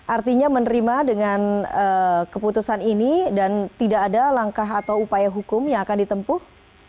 artinya menerima dengan keputusan ini dan tidak ada langkah atau upaya hukum yang akan ditempuh